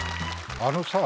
あのさぁ。